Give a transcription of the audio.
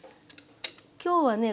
今日はね